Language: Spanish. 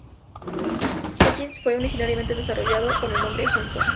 Jenkins fue originalmente desarrollado con el nombre Hudson.